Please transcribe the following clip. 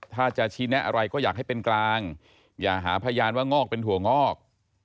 ถ้าจะชี้แนะอะไรก็อยากให้เป็นกลางอย่าหาพยานว่างอกเป็นถั่วงอก